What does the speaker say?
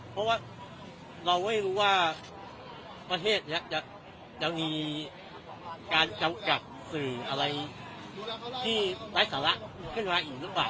เพราะว่าเราไม่รู้ว่าประเทศนี้จะมีการจำกัดสื่ออะไรที่ไร้สาระขึ้นมาอีกหรือเปล่า